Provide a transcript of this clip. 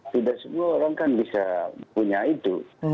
tidak semua orang kan bisa punya itu